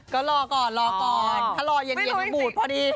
ก็รอก่อนรอก่อนถ้ารอเย็นมันบูดพอดี